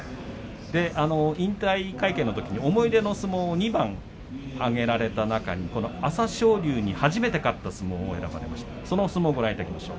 引退会見のときに思い出の相撲２番挙げられた中に朝青龍に初めて勝った相撲を選ばれました。